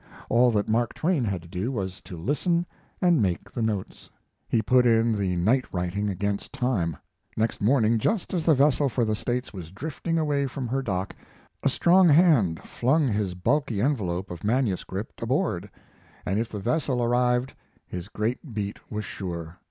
All that Mark Twain had to do was to listen and make the notes. He put in the night writing against time. Next morning, just as the vessel for the States was drifting away from her dock, a strong hand flung his bulky envelope of manuscript aboard, and if the vessel arrived his great beat was sure.